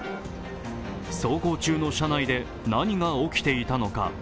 走行中の車内で何が起きていたのか。